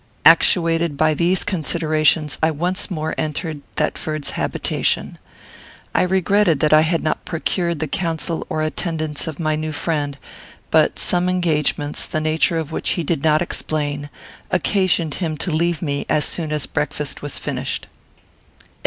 Actuated by these considerations, I once more entered Thetford's habitation. I regretted that I had not procured the counsel or attendance of my new friend; but some engagements, the nature of which he did not explain, occasioned him to leave me as soon as breakfast was finished.